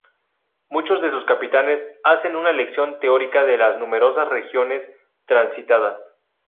Muchos de sus capitanes hacen una elección teórica de las numerosas regiones transitadas.